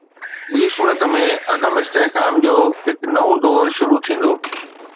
ٻي صورت ۾، عدم استحڪام جو هڪ نئون دور شروع ٿيندو.